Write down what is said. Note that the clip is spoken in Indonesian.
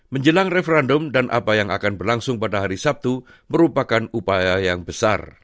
menjelang referendum dan apa yang akan berlangsung pada hari sabtu merupakan upaya yang besar